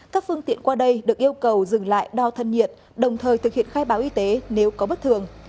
các phương tiện qua đây được yêu cầu dừng lại đo thân nhiệt đồng thời thực hiện khai báo y tế nếu có bất thường